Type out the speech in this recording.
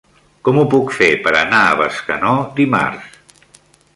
Com ho puc fer per anar a Bescanó dimarts?